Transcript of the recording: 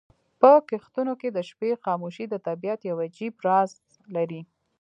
په کښتونو کې د شپې خاموشي د طبیعت یو عجیب راز لري.